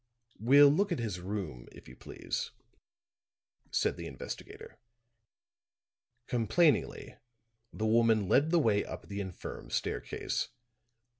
"We'll look at his room, if you please," said the investigator. Complainingly, the woman led the way up the infirm staircase.